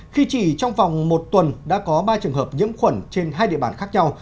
khi chỉ trong vòng một tuần đã có ba trường hợp nhiễm khuẩn trên hai địa bàn khác nhau